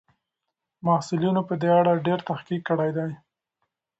محصلینو په دې اړه ډېر تحقیق کړی دی.